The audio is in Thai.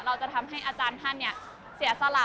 เราจะทำให้อาจารย์ท่านเสียสละ